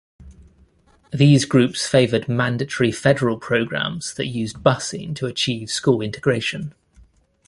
These groups favored mandatory federal programs that used busing to achieve school integration.